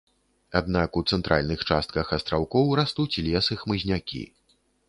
Аднак у цэнтральных частках астраўкоў растуць лес і хмызнякі.